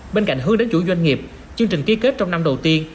bên cạnh hướng đến chủ doanh nghiệp chương trình ký kết trong năm đầu tiên